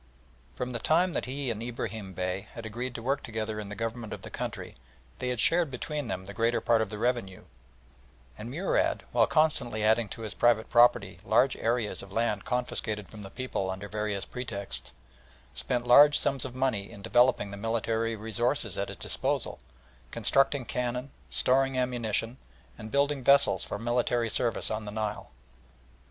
From the time that he and Ibrahim Bey had agreed to work together in the government of the country they had shared between them the greater part of the revenue; and Murad, while constantly adding to his private property large areas of land confiscated from the people under various pretexts, spent large sums of money in developing the military resources at his disposal, constructing cannon, storing ammunition, and building vessels for military service on the Nile.